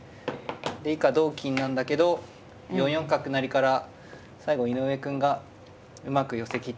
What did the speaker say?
で以下同金なんだけど４四角成から最後井上くんがうまく寄せきって。